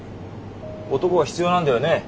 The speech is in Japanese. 男が必要なんだよね？